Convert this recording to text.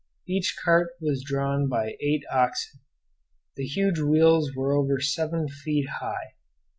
Each cart was drawn by eight oxen. The huge wheels were over seven feet high.